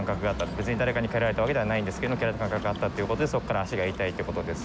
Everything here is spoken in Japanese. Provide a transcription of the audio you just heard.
別に誰かに蹴られたわけではないんですけれど蹴られた感覚があったということでそこから足が痛いということです。